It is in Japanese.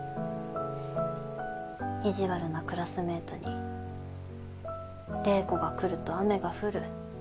意地悪なクラスメートに怜子が来ると雨が降る。